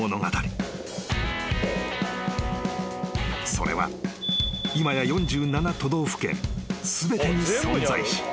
［それは今や４７都道府県全てに存在し］